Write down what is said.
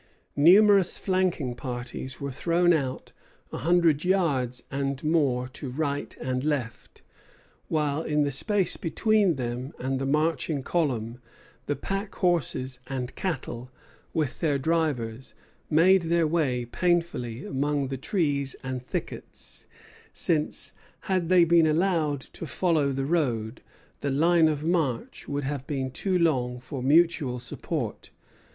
Numerous flanking parties were thrown out a hundred yards and more to right and left; while, in the space between them and the marching column, the pack horses and cattle, with their drivers, made their way painfully among the trees and thickets; since, had they been allowed to follow the road, the line of march would have been too long for mutual support.